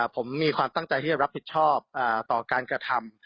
ผมมีความตั้งใจที่จะรับผิดชอบต่อการกระทำ